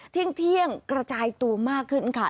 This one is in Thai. เที่ยงกระจายตัวมากขึ้นค่ะ